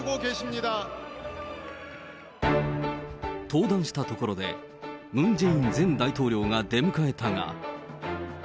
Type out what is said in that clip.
登壇したところで、ムン・ジェイン前大統領が出迎えたが。